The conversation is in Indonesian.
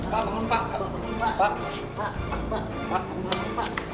pak bangun pak